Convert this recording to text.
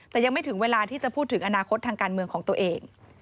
แต่ยังไม่ถึงเวลาที่จะพูดถึงอนาคตทางการเมืองของตัวเอง